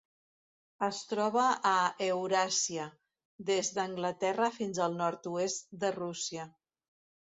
Es troba a Euràsia: des d'Anglaterra fins al nord-oest de Rússia.